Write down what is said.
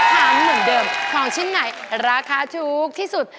ถามเหมือนเดิมของชิ้นไหนราคาถูกที่สุด